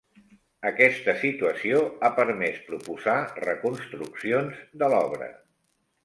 Aquesta situació ha permès proposar reconstruccions de l'obra.